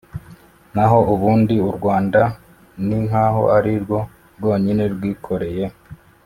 naho ubundi u rwanda ni nkaho ari rwo rwonyine rwikoreye